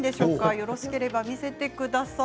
よろしければ見せてください。